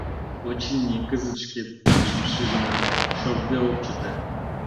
Очыни, кызыт шке титакшым шижынат, шортде ок чыте...